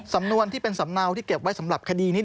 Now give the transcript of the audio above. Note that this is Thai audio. สำนวนที่เป็นสำเนาที่เก็บไว้สำหรับคดีนี้